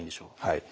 はい。